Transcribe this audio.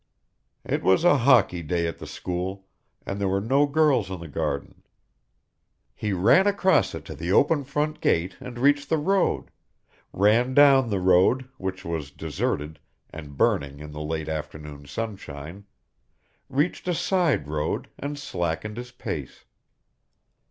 It was a hockey day at the school, and there were no girls in the garden. He ran across it to the open front gate and reached the road, ran down the road, which was deserted, and burning in the late afternoon sunshine, reached a side road and slackened his pace.